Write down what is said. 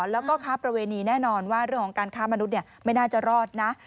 แล้วก็ค้าประเวณีแน่นอนว่าเรื่องของการค้ามนุษย์ไม่น่าจะรอดนะ